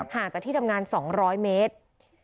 ห่างจากที่ทำงาน๒๐๐เมตร